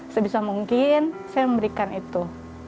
sebisa mungkin saya memberikan itu